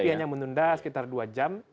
tapi hanya menunda sekitar dua jam